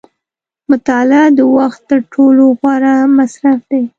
• مطالعه د وخت تر ټولو غوره مصرف دی.